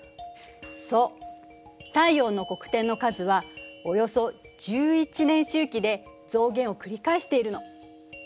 そう太陽の黒点の数はおよそ１１年周期で増減を繰り返しているの。